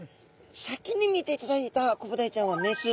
先に見ていただいたコブダイちゃんはメス